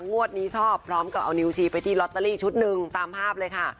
งวดนี้ชอบพร้อมกับเอานิ้วชี้ไปที่ลอตเตอรี่ชุดหนึ่งตามภาพเลยค่ะ